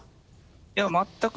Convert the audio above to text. いや全く。